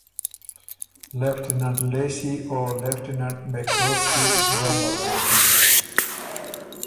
لېفټیننټ لیسې او لیفټیننټ مېکروسټی ګه ملک بُکِن